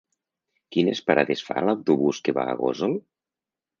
Quines parades fa l'autobús que va a Gósol?